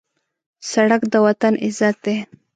سړک د وطن عزت دی.